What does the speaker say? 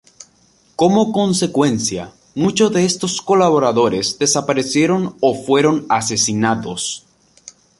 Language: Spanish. Como consecuencia, muchos de estos colaboradores desaparecieron o fueron asesinados.